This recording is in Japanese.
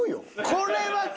これは！